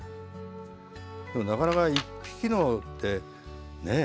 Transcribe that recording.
でもなかなか一匹のってねえ？